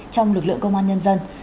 trong lực lượng công an nhân dân